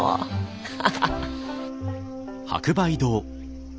ハハハハ。